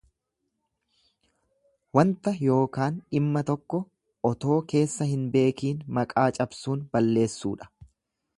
Wanta yookaan dhimma tokko otoo keessa hin beekiin maqaa cabsuun balleessuudha.